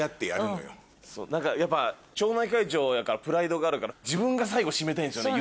やっぱ町内会長やるからプライドがあるから自分が最後締めたいんですよね。